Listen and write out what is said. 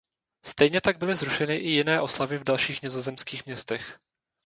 Stejně tak byly zrušeny i jiné oslavy v dalších nizozemských městech.